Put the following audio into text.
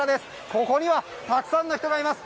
ここには、たくさんの人がいます。